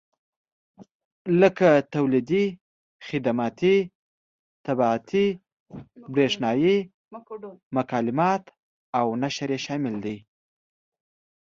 لکه تولیدي، خدماتي، طباعتي، برېښنایي مکالمات او نشر یې شامل دي.